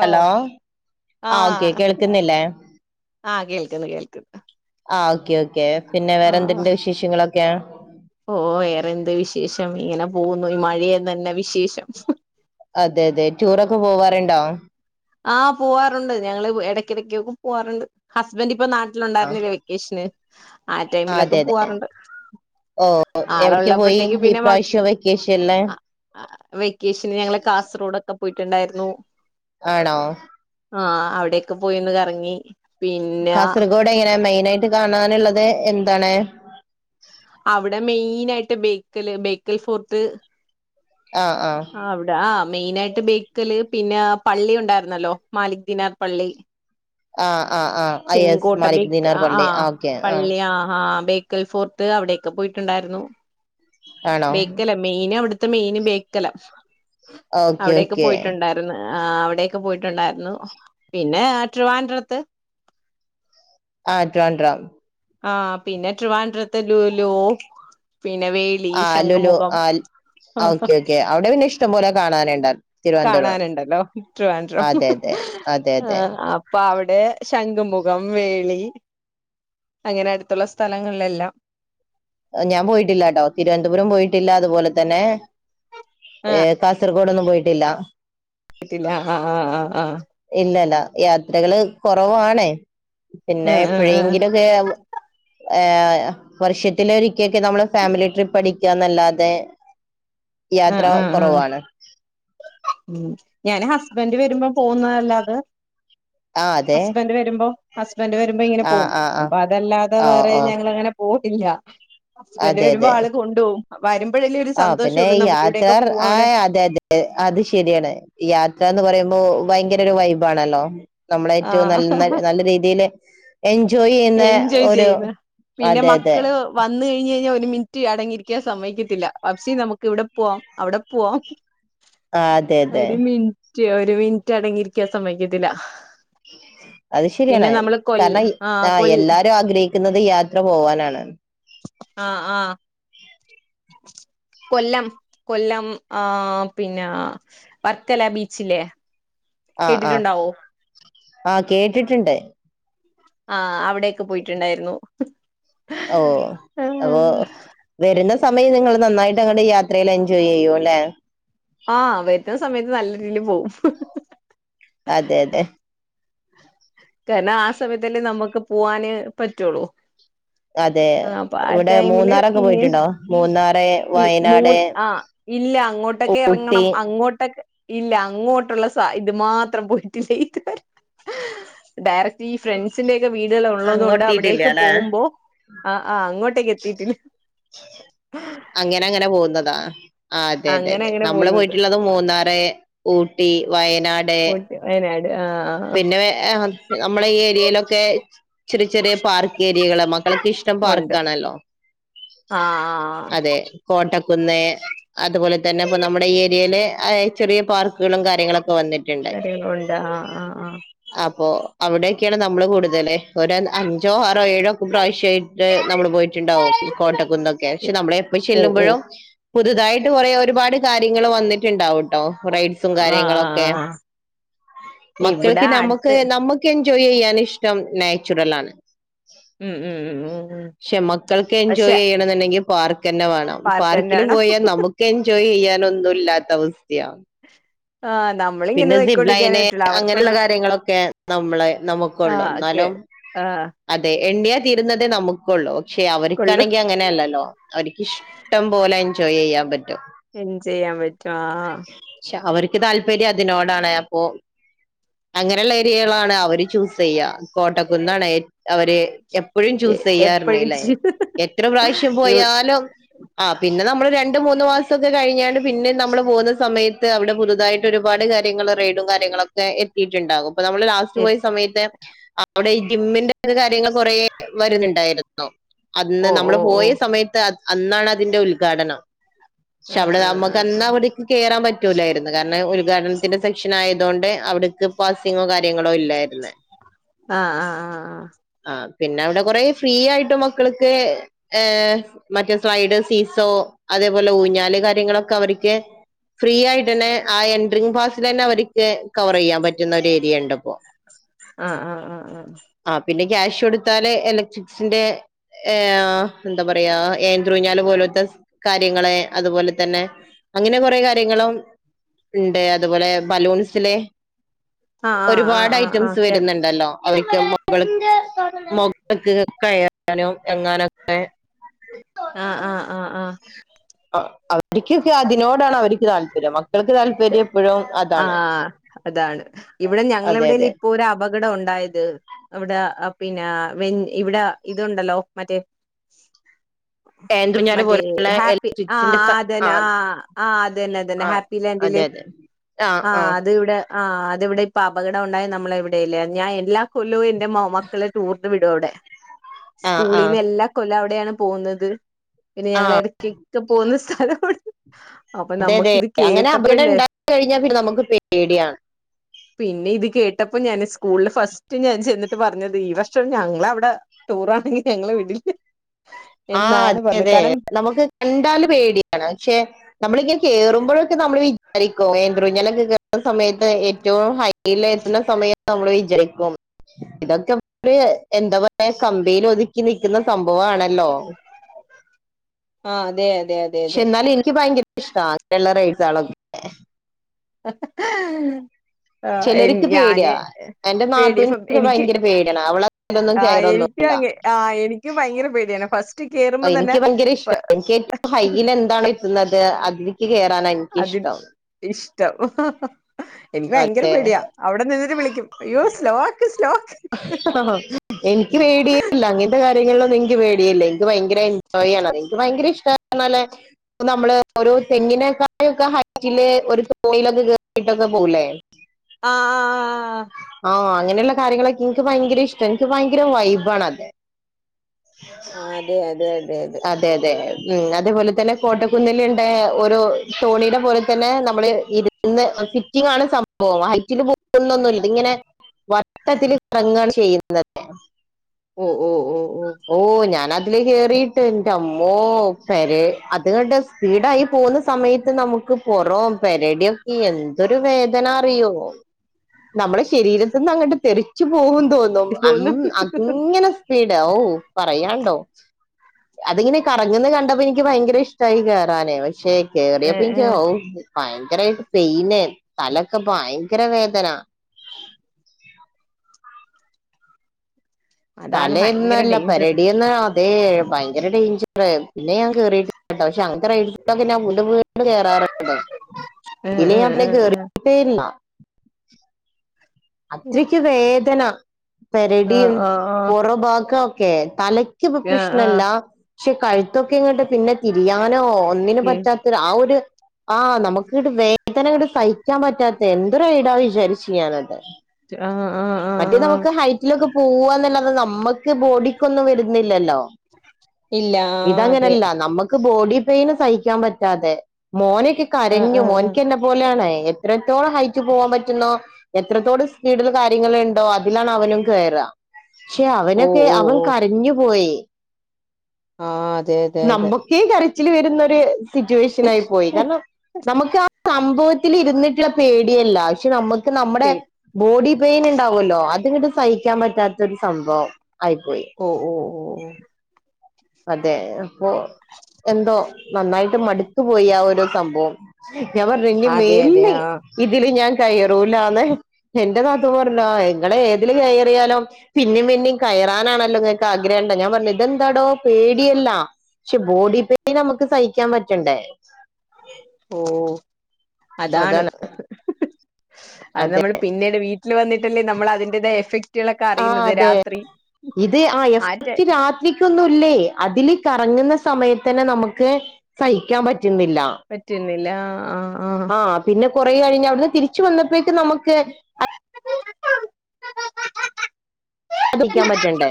Hello ആഹ് okay കേൾക്കുന്നില്ലേ? ആ കേൾക്കുന്നു കേൾക്കു ആഹ് ഓക്കെ ഓക്കെ പിന്നെ വേറെന്തുണ്ട് വിശേഷങ്ങളൊക്കെ? ഓ വേറെന്ത് വിശേഷം ഇങ്ങനെ പോവുന്നു ഈ മഴയന്ന് തന്നെ വിശേഷം. അതെ അതെ ടൂറൊക്കെ പോവാറുണ്ടോ? ആഹ് പോവാറുണ്ട് ഞങ്ങള് ഇടക്കിടക്കക്കെ പോവാറുണ്ട് ഹസ്ബന്റ് ഇപ്പൊ ആ നാട്ടിലുണ്ടായിരുന്നില്ലേ വെക്കേഷന് ആ ടൈമിലൊക്കെ അതെ അതെ പോവാറുണ്ട്. ഓ ആള് എവിടക്ക് പോയി ഉള്ളപ്പോഴത്തേക്ക് പിന്നെ മ ഇപ്രാവശ്യം വെക്കേഷനില് വെക്കേഷന് ഞങ്ങൾ കാസർഗോഡൊക്കെ പോയിട്ടുണ്ടായിരുന്നു ആണോ ആഹ് അവിടെക്കെ പോയിന്ന് കറങ്ങി പിന്നെ കാസർഗോഡ എങ്ങനെ മെയിന ആയിട്ട് കാണാനുള്ളത് എന്താണ് അവിടെ മെയിൻ ആയിട്ട് ബേക്കല് ബേക്കൽ ഫോർട്ട് ആ ആ ആഹ് അവിടാ ആഹ് മെയിന ആയിട്ട് ബേക്കല് പിന്നെ പള്ളി ഉണ്ടായിരുന്നല്ലോ മാലിക് ദിനാർ പള്ളി ആ ആ ആ ആ യെസ് ചെങ്കോട്ട മാലിക് ബിക്ക് ദിനാർ ആഹ് പള്ളി ആഹ് ആ ഓക്കെ ആ പള്ളി ആഹ് ആഹ് ബേക്കൽ ഫോർട്ട് അവിടെക്കെ പോയിട്ടുണ്ടായിരുന്നു ആണോ ബേക്കല മെയിൻ അവിടു അവിടെത്തെ മെയിന് ബേക്കല ഓക്കെ അവിടൊക്കെ ഓക്കെ പോയിട്ടുണ്ടായിരുന്നു ആഹ് അവിടൊക്കെ പോയിട്ടുണ്ടായിരുന്നു പിന്നെ ട്രിവാൻഡ്രത്ത് ആഹ് ട്രിവാൻഡ്രം ആഹ് പിന്നെ ട്രിവാൻഡ്രത്തെ ലുലു പിന്നെ വേളി ആ ശംഖുമുഖം ഒക്കെ അവിടെ പിന്നെഷ്ടം പോലെ കാണാനു കാണാനുണ്ടല്ലോ ട്രിവാൻഡ്രം അതെ അതെ അതെ അതെ അപ്പ അവിടെ ണ്ട് ശംഖുമുഖം വേളി അങ്ങനെ അടുത്തുള്ള സ്ഥലങ്ങളിലെല്ലാം ഞാൻ പോയിട്ടില്ലാട്ടോ തിരുവനന്തപുരം പോയിട്ടില്ല അതുപോലെ തന്നെ ആ ഏ കാസർഗോ ടൊന്നും പോയിട്ടില്ല കട്ടില്ല ആഹ് ആഹ് ആഹ് ആഹ് ഇല്ലല്ല യാത്രകള് കുറവാണേ ആ പിന്നെ ആ എപ്പോഴെങ്കിലുംക്കെ ഏഹ് വർഷത്തില ഒരിക്കൊക്കെ നമ്മള് ഫാമിലി ട്രിപ്പ് അടിക്കാ എന്നല്ലാതെ ആഹ് ആഹ് ആഹ് ഞാൻ ഹസ്ബന്ഡ് വരുമ്പോ പോകുന്നല്ലാത ആ അതെ ഹസ്ബന്ഡ് വരുമ്പോ സ്‌ബൻറ്റ് വരുമ്പോ ഇങ്ങനെ ആ പോവും ആ ആ അപ്പോ അതല്ലാതെ ഓ വേറെ ഓ ഞങ്ങളങ്ങനെ പോയിട്ടില്ല ഹസ്ബൻഡ് അതെ വരുമ്പോ അതെ ആള് കൊണ്ടുപോകും വരുമ്പഴലേ ഒരു ആ സന്തോഷം പിന്നെ ഒള്ളൂ നമ്മ [unintelligible] അതെ അതെ അത് ശെരിയാണ് യാത്രന്ന് പറയ്മ്പോ ഭയങ്കര ഒരു വൈബാണല്ലോ നമ്മളേ റ്റോം നൽ ആഹ് നല്ല രീതില് എൻജോ എൻജോയ് ചെയ്യുന്ന പിന്നെ അതെ അതെ മക്കള് വന്ന് കഴിഞ്ഞ്ഞ്ഞാ ഒരു മിനിറ്റ് അടങ്ങിരിക്കാൻ സമ്മയിക്കത്തില്ല ബാപ്പ്‌ച്ചി നമുക്ക് ഇവിടെ പോവാം അവിടെ പോവാം ആ അതെതെ റ്റ് ഒരു മിനിറ്റ് അടങ്ങിയിരിക്കാൻ സമ്മയ്ക്കത്തില്ല അഹ് ശരിയാണ് കരണം ആഹ് തായെ കൊൽ എല്ലാരും ആഗ്രഹിക്കുന്നത് യാത്ര പോവാനാണ് ആ ആ [inaudible] കൊല്ലം കൊല്ലം ആ പിന്നെ വർക്കല ബീച്ചില്ലേ കേട്ടിട്ടുണ്ടാവും ആഹ കേട്ടിട്ട്ണ്ട് ആ അവിടെയൊക്കെ പോയിട്ടുണ്ടായിരുന്നു ഓ അപൊ വെരുന്ന സമയം നിങ്ങള് നന്നായിട്ട് നിങ്ങളീ യാത്രയിൽ എൻജോയ് ചെയ്യും അല്ലെ ആ വരുന്ന സമയത്ത് നല്ല രീതിൽ പോവും അതെതെ കാരണം ആ സമയത്തല്ലെ നമുക്ക് പൂവാന് പറ്റുള്ളൂ അതെ ആ പ്പൊ ആ ഇവിടെ ടൈമില് മൂന്നാറൊക്കെ പോയിട്ടുണ്ടോ മൂന്നാറ് ഈഇ വയനാട് മൂന്ന് ആ ഇല്ല അങ്ങോട്ടൊക്കെ ഊട്ടി ഇറങ്ങണം അങ്ങോട്ടൊക് ഇല്ല അങ്ങോട്ടുള്ള സ ഇത് മാത്രം പോയിട്ടില്ല ഇതുവരെ ഡയറക്ട് ഈ ഫ്രണ്ട്സിന്റെ ഒക്കെ വീടുകള് ഒള്ളതുകൊണ്ട് അങ്ങോട്ടെത്തിയിട്ടില്ല അവിടേക്ക് അല്ലെ പോകുമ്പോ അ അ അങ്ങോ ട്ടേക്കെത്തിയിട്ടില്ല അങ്ങനെ അങ്ങനെ പോകുന്നതാ ആ അതെതെതെ നമ്മള് പോയിട്ടുള്ളത് മൂന്നാറ് ഊട്ടി വയനാ പോയിട്ട് വയനാട് ആഹ് പിന്നെ നമ്മളെ ഈ ഏരിയയിലൊക്കെ ചെറിചെറിയ പാർക്കേരിയകള് മൊ ആഹ് ക്കൾക്കിഷ്ടം ഉണ്ട് പാർക്കാണല്ലോ ആഹ് അതെ കോട്ടക്കുന്ന് അതുപോലെ തന്നെ പ്പൊ നമ്മുടെ ഈ ഏരിയല് അയെ ചെറിയ പാർക്കുകളും കാര്യങ്ങളൊക്കെ വന്നിട്ടുണ്ട് കാര്യങ്ങളുണ്ട് ആഹ് ആഹ് ആഹ് അപ്പൊ അവിടെയൊക്കെയാണ് നമ്മള് കൂടുതല് ഒരു അഞ്ചോ ആറോ ഏഴോ ഒക്കെ പ്രാവശ്യായിട്ട് നമ്മള് പോയിട്ടുണ്ടാവും കോട്ടക്കുന്നൊക്കെ ക്ഷെ നമ്മള് ഓ ഓ ചെല്ലുമ്പോഴും പുതുതായിട്ട് കൊറെേ ഒരുപാട് കാര്യങ്ങള് വന്നിട്ടുണ്ടാവൂട്ടോ റൈഡ്സും കാര്യങ്ങളൊക്കെ ആഹ് ഇവിടെ മക്കൾക്ക് നമുക്ക് അടുത്ത് നമ്മുക്ക് എൻജോയ് ചെയ്യാനിഷ്ടം നാച്ചുറലാണ് ഉം ഉം ഉം ഉം ഉം ക്ഷെ മക്കൾക്ക് പക്ഷെ എൻജോയ് ചെയ്യണന്നുണ്ടെങ്കി പാർക്കെന്നെ വേണം പാർക്ക് പാർക്കില് തന്നെയാണ് പോയാ നമുക്ക് എൻജോയ് ചെയ്യാനൊന്നും ഇല്ലാത്ത അവസ് ഥ്യാ ആഹ് നമ്മളിങ്ങനെ പിന്നെ നോയിക്കൊണ്ടിരിക്കാനേ സിബ്ലൈന് പറ്റുള്ളൂ അവർക്കുള്ള അങ്ങനൊള്ള കാര്യങ്ങളൊക്കെ നമ്മള് നമുക്കൊള്ളു ആഹ് ഒക്കെ ന്നാലും ആഹ് അതെ എണ്ണിയ തീരുന്നതേ നമുക്കുള്ളൂ ക്ഷെ കൊള്ളും അവർക്കാണെങ്കി അങ്ങനെയല്ലല്ലോ അവർക്കിഷ്ടം പോലെ എൻജോയ് ചെയ്യാ പറ്റും എൻജോയ് ചെയ്യാൻ പറ്റും ആഹ് ക്ഷെ അവർക്ക് താല്പര്യം അതിനോടാണ് അപ്പൊ അങ്ങനെയുള്ള ഏരിയകളാണ് അവര് ചൂസ് ചെയ്യാ കോട്ടക്കുന്നാണ് ഏ അവര് എപ്പോഴും എ ചൂസ് എപ്പഴും ചെയ്യാറുന്നല്ലേ എത്ര പ്രാവശ്യം ഇവ് പോയാലും ആ പിന്നെ നമ്മള് രണ്ടു മൂന്ന് മാസൊക്കെ കഴിഞ്ഞാണ് പിന്നെ നമ്മൾ പോകുന്നത് സമയത്ത് അവിടെ പുതുതായിട്ട് ഒരുപാട് കാര്യങ്ങള് റെയ്ഡും കാര്യങ്ങളൊക്കെ എത്തിയിട്ടുണ്ടാകും പ്പൊ നമ്മള് ലാസ്റ്റ് എ പോയ സമയത്ത് അവിടെഈ ജിമ്മിന്റെത് കാര്യങ്ങള് കൊറ വരുന്നുണ്ടായിരുന്നു അന്ന് ഓ നമ്മള് ഓ ഓ പോയ സമയത്ത് അന്നാണ് അതിന്റെ ഉദ്ഘാടനം ക്ഷെ ആഹ് അവിടെ നമ്മുക്കന്ന് അവിടേക്ക് കേറാൻ പറ്റ റ്റൂലാരുന്നു കാരണം ഉദ്ഘാടനത്തിന്റെ സെക്ഷൻ ആയതൊണ്ട് അവിടക്ക് പാസിങ്ങോ കാര്യങ്ങളോ ഇല്ലായിരുന്നു ആ ആ ആ ആ അ പിന്നെ അവിടെ കുറെ ഫ്രീ ആയിട്ട് മക്കൾക്ക് ഏ മറ്റെ സൈഡ് സീസോ അതേ പോലെ ഊഞ്ഞാല് കാര്യങ്ങളൊക്കെ അവർക്ക് ഫ്രീ ആയിട്ടന്നെ ആ എൻട്രിംഗ് പാസിലെന്നെ അവർക്ക് കവർ ചെയ്യാൻ പറ്റുന്ന ഒരു ഏരിയ ഉണ്ട്പ്പോ ആഹ ആഹ് ആഹ് ആഹ ആ പിന്നെ ക്യാഷ് കൊടുത്താല് എലക്ട്രിക്സിന്റെ ഏഹ് എന്താ പറയാ ഏന്ത്രുഞ്ഞാല് പോലത്തെ കാര്യ യങ്ങള് അതുപോലെ തന്നെ അങ്ങനെ കൊറ കാര്യങ്ങളും ഉണ്ട് അതുപോലെ ബലൂൺസിലെ ആഹ് ആഹ് ഒരുപാട് ആഹ് ഐറ്റംസ് ആഹ് വരുന്നുണ്ടല്ലോ അവക്ക് മുകൾ മുകൾക്ക് കയറാനോ ഇറങ്ങാനൊക്കെ ആഹ ആഹ ആഹ് ആഹ അവർക്കൊക്കെ അതിനോടാണ് അവർക്ക് താല്പര്യം മക്കൾക്ക് താല്പര്യം എപ്പോഴും അതാണ് ആഹ് അതാണ് ഇവിടെ അതെ ഞങ്ങളെവിടെലും അതെ ഇപ്പൊരു അപകടം ഉണ്ടായത് ഇവിടെ അ പിന്നെ വെ ഇവിടെ ഇതുണ്ടല്ലോ മറ്റേ ഏന്തൂഞ്ഞാല് മറ്റേ പോലുള്ള ഹാപ്പി ആഹ് ഇലക്ട്രിക്സിന്റെ സ അ ആ അതന്നെ ആഹ് ആ അതന്നെ അതന്നെ ആ ഹാപ്പി ല ല് അതെ അതെ ആ അതിവിടെ ആഹ് അത് ഇവിടെ ഇപ്പൊ അപകടം ഉണ്ടായ നമ്മളെ ഇവിടെല്ലേ ഞാൻ എല്ലാ കൊല്ലവും എന്റെ മോ മക്കളെ ടൂർന് വിടും അവിടെ ആ ആ സ്കൂളിൽന്ന് എല്ലാ കൊല്ലം അവിടെയാണ് പോകുന്നത് പിന്നെ ആ ഞങ്ങള് ഇടക്കൊക്കെ പോകുന്ന സ്ഥ സ്ഥലമാണ് അപ്പൊ നമുക്കിത് കേട്ട ഇവിട ഉണ്ടായി കഴിഞ്ഞാൽ പിന്നെ നമുക്ക് പേടിയാണ് ട്ടപ്പം ഞാന് സ്കൂളിൽ ഫസ്റ്റ് ഞാൻ ചെന്നിട്ട് പറഞ്ഞത് ഈർഷം ഞങ്ങളവിടെ ടൂറാണെങ്കി ഞങ്ങള് വിടി ആ അതെ അതെ കാരണം നമുക്ക് കണ്ടാല് പേടിയാണ് പക്ഷെ നമ്മളിങ്ങനെ കേറുമ്പോഴൊക്കെ നമ്മൾ വിചാരിക്കോ [unintelligible] സമയത്ത് ഏറ്റവും ഹൈൽ എത്തുന്ന സമയം നമ്മള് വിചരിക്കും ഇതൊക്കെ എന്താ പറയ കമ്പയിൽ ഒതുക്കി നിൽക്കുന്ന സംഭവാണല്ലോ ആ അതെ അ ക്ഷെ എന്നാൽ എനിക്ക് ഭയങ്കര ഇഷ്ട വെളള റേറ്റ്സ് കളൊക്കെ ആഹ് ചിലരിക്ക് ഞാന് പേടിയാ എന്റെ പേടി ഇപ്പം നാത്തുന് എനിക്ക് ഭയങ്കര പേടിയണ് അവളതിലൊന്നും ആഹ് കേയറു ഒന്നു എനിക്കും ല്ല അങ്ങ ആഹ് എനിക്കും ഭയങ്കര പേടിയാണ് ഫസ്റ്റ് കേറുമ്പോ തന്നെ എനിക്ക് ഭയങ്കര ഇഷ്ട എനിക്ക് ഹൈൽ എന്താണ് തിന്നിട്ട് അതിലിക്ക് കേയറനാ എനിക്കിഷ്ടം ട്ടം എനിക്ക് ഭയങ്കര അതെ പെടിയാ അവിടെ നിന്നിട്ട് വിളിക്കും അയ്യോ സ്ലോ ആക്ക് സ്ലോ ആക്ക് ആഹ് എനിക്ക് പേഡിയില്ല അങ്ങെന്റെ കാര്യ ഇങ്ങനുളളത് എനിക്ക് പേടിയല്ലേ എനിക്ക് ഭയങ്കര എൻജോയാണത് എനിക്ക് ഭയങ്കര ഇഷ്ടണല്ലേ നമ്മള് ഓരോ ഒരു തെങ്ങിനേക്കായൊക്കെ ഹൈറ്റില് ഒരു തോണിയിലൊക്കേ കേറിട്ടൊക്കെ പോകുലേ ആഹ് ആഹ് ആഹ് ഓ അങ്ങനെയുള്ള കാര്യങ്ങളൊക്കെ എനിക്ക് ഭയങ്കര ഇഷ്ടം എനിക്ക് ഭയങ്കര വൈബണത് ആ അതെ അതെ അതെ അതെ അതെ മ് അതേപോലെ തന്നെ കോട്ട കുന്നിലിണ്ട് ഒരു തോണിയുടെ പോലെ തന്നെ നമ്മള് ഇരുന്ന് ഫിറ്റിങ്ങാണ് സംഭവം ഹൈറ്റില് പോകുന്നൊന്നുംല്ല ഇത് ഇങ്ങനെ വട്ടത്തില് കറങ്ങാണ് ചെയ്യുന്നത് ഓ ഓ ഓ ഓ ഞാന അതില് കേറിട്ട് എന്റെ അമ്മോ പെരെ അത്കണ്ട് സ്പീഡായി പോകുന്ന സമയത്ത് നമു ക്ക് പുറോം പെരടിയൊക്കെ എന്തൊരു വേദന അറിയോ നമ്മുടെ ശരീരത്തിന്ന് അങ്ങോട്ട് തെറച്ച് പോകും തോന്നും അംമ് പോന്നു അങ്ങനെ സ്പീഡ ഓ പറയണ്ടോ അതിങ്ങനെ കറങ്ങന്ന് കണ്ടപ്പോ എനിക്ക് ഭയങ്കര ഇഷ്ടമായി കേയറാനേ മ ക്ഷെ ഏ കേറിയപ്പ എനിക്ക് ഏ ഔ ഭയങ്കരായിട്ട് പെയിന് തലക്കെ ഭയങ്കര വേദന അതാണ് ഭയങ്കര തലെന്നല്ല ഡേഞ്ചർ പെരടിയന്നാ അതെ ഭയങ്കര ടെയിഞ്ചറ് പിന്നെ ഞാൻ കേറിട്ടി ട്ടോ പഷേ അ [unintelligible] കേറാറുണ്ട് ഏ ഇതില് ഏ ഞാൻ പിന്നെ ഏ ഏ കേറിട്ടേയില്ല അത്രക്ക് വേദന ആ പെരടിയും ആ ആ ആ പൊറ ഭാഗോക്കെ തലയ് ക്കിപ്പം ആ പ്രശ്നല്ല പഷേ കഴുത്തൊക്കെ ഇങ്ങോട്ട് പിന്നെ തിരിയാനോ ഒന്നിനും പറ്റാത്ത ആഹ് ഒരു ആഹ് നമുക്ക്ട്ട് വേദന ഇങ്ങട് സഹിക്കാൻ പറ്റാത്ത എന്തൊരു ഇടാ വിചാരിച്ചു ഞാനത് ആ ആ ആ മറ്റേത് ആ നമുക്ക് ഹൈറ്റിലൊക്കെ പോവാന്നല്ലാതെ നമ്മക്ക് ബോഡിക്കൊന്നും വരുന്നില്ലല്ലോ ഇല്ല ആ അതെ ഇതങ്ങനല്ല നമ്മ ക്ക് ബോഡി പെയിന് സഹിക്കാൻ പറ്റാതെ മോനൊക്കെ ആ കരഞ്ഞു ആ ആ മോൻക്ക് എന്നെ പോലെയാണെ എത്രത്തോളം ഹൈറ്റ് പോവാൻ പറ്റുന്നോ എത്രത്തോട് സ്പീടില് കാര്യങ്ങളെണ്ടോ അതിലാണ് അവനും കേറാ ക്ഷേ ഓ അവനൊക്കെ ഓ അവൻ കരഞ്ഞു പോയി ആഹ് അത നമ്മക്കേ കരച്ചില് വരുന്നൊര് സിറ്റുവേഷനായി പോയി കാരണം നമ്മക്ക് ആ സംഭവത്തില് ഇരിന്നിട്ടുള്ള പേടിയല്ല ക്ഷേ നമ്മക്ക് ക്ക് നമ്മടെ പേ ബോഡി പെയിൻ ഇണ്ടാവുല്ലോ അത്ങ്ങട്ട് സഹിക്കാൻ പറ്റാത്തൊരു സംഭവം ആയിപ്പോയി ഓ ഓ ഓ ഓ അതെ ഇപ്പൊ എന്തോ നന്നായിട്ട് മടുത്തു പോയി ആ ഒരു സംഭവം ഞാൻ പറഞ്ഞു ഇനി അതെ അതെ മേലിൽ ആ ഇതില് ഞാൻ കയാ‌റൂലാന്ന് എന്റെ നാത്തൂൻ പറഞ്ഞു ആ ഇങ്ങള് ഏതില് കയറിയാലും പിന്നേം പിന്നേം കയ യറാനാണല്ലോങ്ങക്ക് ആഗ്രഹംണ്ട ഞാൻ പറഞ്ഞു ഇതെന്താടോ പേടിയല്ല പക്ഷെ ബോഡി പെയിൻ നമുക്ക് സഹിക്കാൻ പറ്റണ്ടേ ഓഹ് അതാണ് അത് അതെ നമ്മള് പിന്നീട് വീട്ടില് വന്നിട്ടല്ലേ നമ്മള് അതിന്റേതായ എഫക്ടുകളൊക്കെ ആ അറിയുന്നത് അതെ രാത്രി ഇത് ആ ആറ്റെ എഫക്ട് രാത്രിക്കൊന്നുല്ലേ അതില് ക കങ്ങുന്ന സമയത്തന്നെ നമുക്ക് സഹിക്കാൻ പ റ്റുന്നില്ല. പറ്റുന്നില്ല ആഹ് ആഹ് പിന്നെ കൊറേ കഴിഞ്ഞ് അവിടുന്ന് തിരിച്ച് വന്നപ്പോഴേക്ക് നമുക്ക് [unintelligible] ക്കാൻ പറ്റണ്ടേ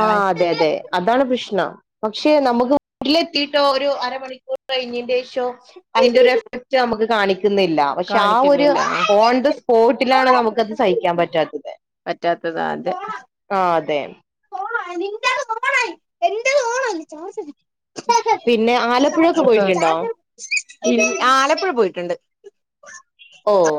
ആഹ് അതെ അതെ അതാണ് പ്രശ് നം പക്ഷെ നമുക്ക് വീട്ടില് എത്തിട്ടോ ഒരു അരമണിക്കൂർ കയിഞ്ഞിന്റെേഷോ അതിന്റെ ഒരു എഫ ക്ട് നമ്ക്ക് കാണി ക്ക്ന്നില്ല പക്ഷെ ആ ഒരു കാണിക്കുന്നില്ല ഓൺ ദ സ്പോട്ടിലാണ് നമുക്കത് സഹിക്കാൻ പറ്റാത്തത്. പറ്റാത്തത് അതെ. ആ അതെ പിന്നെ ആലപ്പുഴൊക്കെ പോയിട്ട്ണ്ടോ? [unintelligible] ആലപ്പുഴ പോയിട്ട്ണ്ട്. ഓഹ്